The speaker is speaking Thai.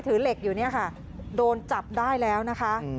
เหล็กอยู่เนี่ยค่ะโดนจับได้แล้วนะคะ